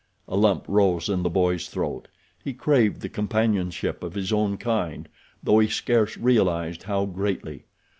A lump rose in the boy's throat. He craved the companionship of his own kind, though he scarce realized how greatly.